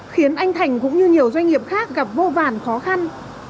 khiến anh thành cũng như nhiều doanh nghiệp khác gặp vô vàn khó khăn